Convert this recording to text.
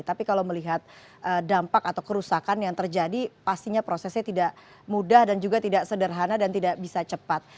tapi kalau melihat dampak atau kerusakan yang terjadi pastinya prosesnya tidak mudah dan juga tidak sederhana dan tidak bisa cepat